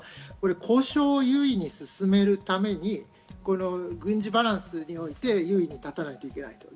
交渉を優位に進めるために軍事バランスにおいて優位に立たないといけない。